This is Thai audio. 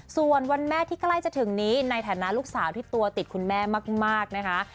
ส่วนวันแม่ที่ใกล้จะถึงนี้ในฐานะลูกสาวที่ตัวติดคุณแม่มากนะคะ